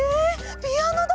ピアノだ！